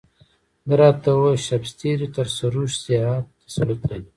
ده راته وویل شبستري تر سروش زیات تسلط لري.